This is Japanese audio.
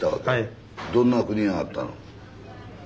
どんな国があったの？